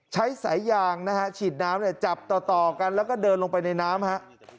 ใช้สายยางนะฮะฉีดน้ำเนี่ยจับต่อกันแล้วก็เดินลงไปในน้ำฮะ